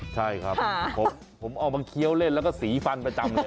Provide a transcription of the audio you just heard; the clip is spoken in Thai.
ใช่ครับผมเอามาเคี้ยวเล่นแล้วก็สีฟันประจำเลย